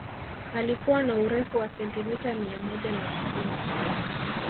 Alikuwa na urefu wa sentimita mia moja na tisini